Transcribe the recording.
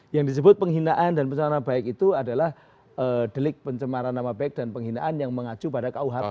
yang disebut penghinaan dan pencemaran nama baik itu adalah delik pencemaran nama baik dan penghinaan yang mengacu pada kuhp